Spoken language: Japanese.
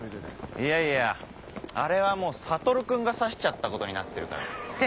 いやいやあれはもう悟君が刺しちゃったことになってるから。